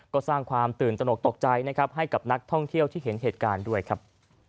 ก็สร้างความตื่นตนกตกใจนะครับให้กับนักท่องเที่ยวที่เห็นเหตุการณ์ด้วยครับ